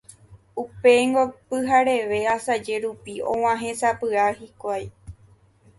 Upéingo, pyhareve asaje rupi, og̃uahẽsapy'a hikuái.